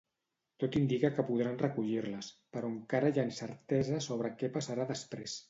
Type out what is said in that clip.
Tot indica que podran recollir-les, però encara hi ha incertesa sobre què passarà després.